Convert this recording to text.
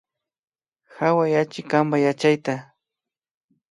Hawayachi kanpa yachayta